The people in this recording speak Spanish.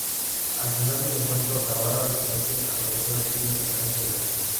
Al final del encuentro la barra visitante arrojó proyectiles al campo de juego.